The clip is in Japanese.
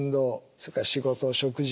それから仕事食事